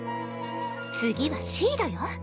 次はシードよ